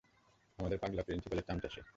আমাদের পাগলা প্রিন্সিপালের চামচা সে।